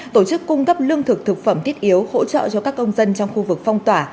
tổ chức cung cấp lương thực thực phẩm thiết yếu hỗ trợ cho các công dân trong khu vực phong tỏa